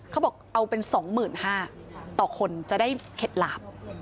เขาบอกเอาเป็น๒๕๐๐ต่อคนจะได้เข็ดหลาบ